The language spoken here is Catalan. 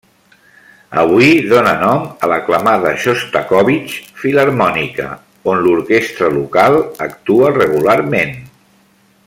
Avui dona nom a l'aclamada Xostakóvitx Filharmònica, on l'orquestra local actua regularment.